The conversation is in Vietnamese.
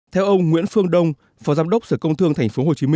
theo ông nguyễn phương đông phó giám đốc sở công thương tp hcm